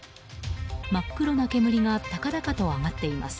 真っ黒な煙が高々と上がっています。